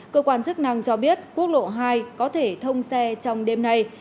cơ quan chức năng cho biết quốc lộ hai có thể thông xe trong đêm nay